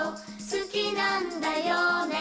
「好きなんだよね？」